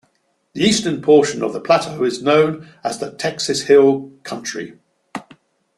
The eastern portion of the plateau is known as the Texas Hill Country.